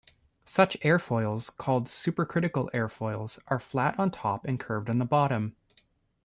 Such airfoils, called supercritical airfoils, are flat on top and curved on the bottom.